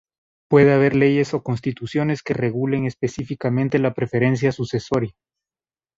Puede haber leyes o constituciones que regulen específicamente la preferencia sucesoria.